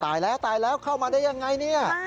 ตายแล้วเข้ามาได้ยังไง